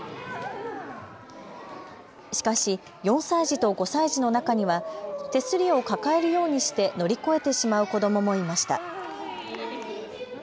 しかし４歳児と５歳児の中には手すりを抱えるようにして乗り越えてしまう子どももいました。